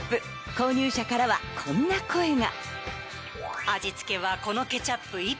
購入者からはこんな声が。